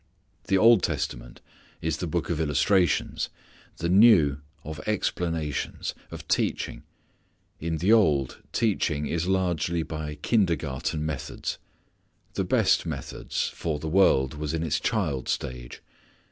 The Old Testament is the book of illustrations; the New of explanations, of teaching. In the Old, teaching is largely by kindergarten methods. The best methods, for the world was in its child stage.